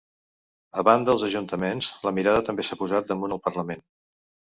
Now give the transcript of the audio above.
A banda els ajuntaments, la mirada també s’ha posat damunt el parlament.